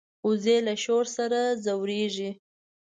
وزې له شور سره ځورېږي